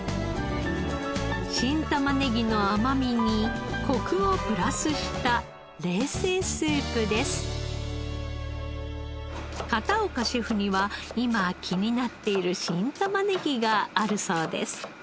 新玉ねぎの甘みにコクをプラスした片岡シェフには今気になっている新玉ねぎがあるそうです。